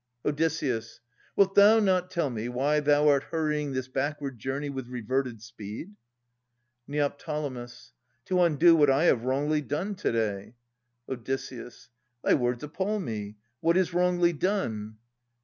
Od. Wilt thou not tell me why thou art hurrying This backward journey with reverted speed ? Ned. To undo what I have wrongly done to day. Od. Thy words appal me. What is wrongly done?